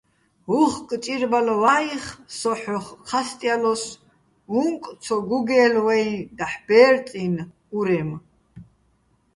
უ̂ხკ ჭირბალო̆ ვა́იხ, სო ჰ̦ოხ ჴასტჲალოსო̆, უ̂ნკ ცო გუგე́ლო̆ ვაჲნი̆ დაჰ̦ ბე́რწინი̆ ურემ.